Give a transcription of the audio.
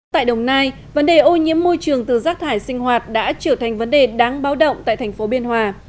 tại đồng nai vấn đề ô nhiễm môi trường từ rác thải sinh hoạt đã trở thành vấn đề đáng báo động tại thành phố biên hòa